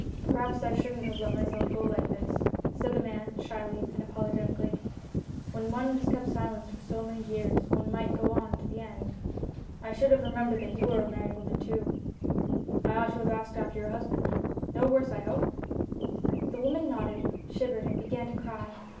" Perhaps I shouldn't have let myself go like this," said the man, shyly and apologetically. "When one has kept silence for so many years one might go on to the end. I should have remembered that you were a married woman too. MINIATURES 245 I ought to have asked after your husband. No worse, I hope?" The woman nodded, shivered, and began to cry.